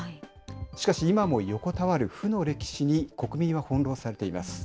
しかし今も横たわる負の歴史に国民は翻弄されています。